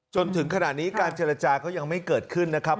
จนถึงขณะนี้การเจรจาก็ยังไม่เกิดขึ้นนะครับ